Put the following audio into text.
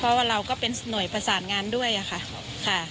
เพราะว่าเราก็เป็นหน่วยประสานงานด้วยค่ะ